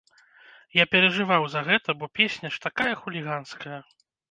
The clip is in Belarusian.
Я перажываў за гэта, бо песня ж такая хуліганская!